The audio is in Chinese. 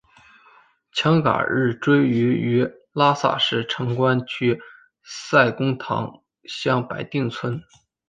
强嘎日追位于拉萨市城关区蔡公堂乡白定村。